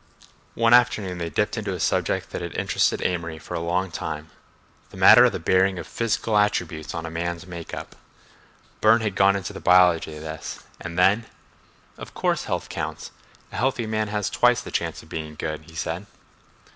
One afternoon they dipped into a subject that had interested Amory for a long time—the matter of the bearing of physical attributes on a man's make up. Burne had gone into the biology of this, and then: "Of course health counts—a healthy man has twice the chance of being good," he said.